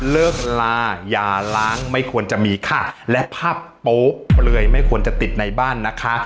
เลิกลาอย่าล้างไม่ควรจะมีค่ะและภาพโป๊ะเปลือยไม่ควรจะติดในบ้านนะคะ